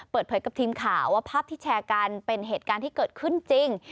เปิดเผยกับทีมข่าวว่าภาพที่แชร์กันเป็นเหตุการณ์ที่เกิดขึ้นจริง